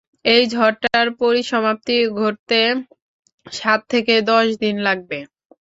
এই ঝড়টার পরিসমাপ্তি ঘটতে সাত থেকে দশদিন লাগবে।